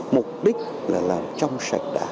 mục đích là làm trong sạch đảng